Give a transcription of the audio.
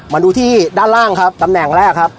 มาดูที่ด้านล่างครับตำแหน่งแรกครับ